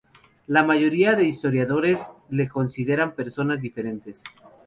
La mayoría de historiadores los consideran personas diferentes.